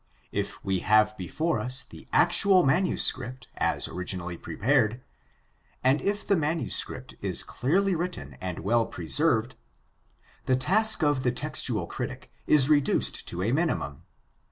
If we have before us the actual manuscript as originally 90 GUIDE TO STUDY OF CHRISTIAN RELIGION prepared, and if the manuscript is clearly written and well preserved, the task of the textual critic is reduced to a mini mum.